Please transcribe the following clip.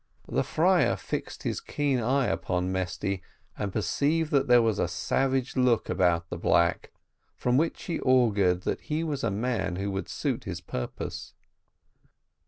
The friar fixed his keen eye upon Mesty, and perceived there was a savage look about the black, from which he augured that he was a man who would suit his purpose.